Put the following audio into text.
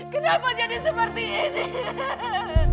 kenapa jadi seperti ini